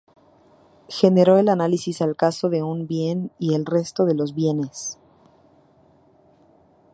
Generalizó el análisis al caso de un bien y el resto de los bienes.